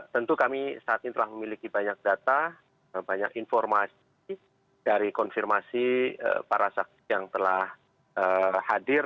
tentu kami saat ini telah memiliki banyak data banyak informasi dari konfirmasi para saksi yang telah hadir